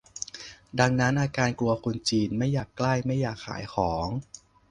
ดังนั้น อาการกลัวคนจีน ไม่อยากใกล้ ไม่อยากขายของ